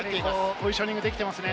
ポジショニングできてますね。